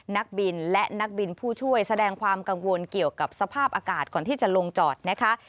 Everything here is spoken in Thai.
นักบินและนักบินผู้ช่วยแสดงความกังวลเกี่ยวกับสภาพอากาศก่อนที่จะลงจอดนะคะ